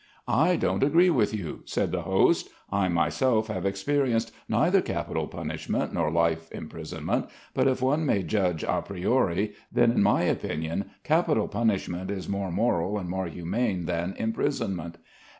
"I don't agree with you," said the host. "I myself have experienced neither capital punishment nor life imprisonment, but if one may judge a priori, then in my opinion capital punishment is more moral and more humane than imprisonment.